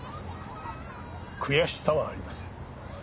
悔しさはあります。